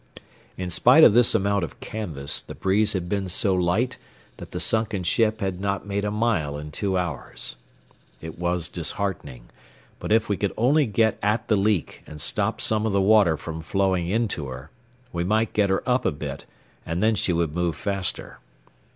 In spite of this amount of canvas the breeze had been so light that the sunken ship had not made a mile in two hours. It was disheartening, but if we could only get at the leak and stop some of the water from flowing into her, we might get her up a bit and then she would move faster.